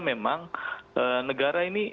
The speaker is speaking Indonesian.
memang negara ini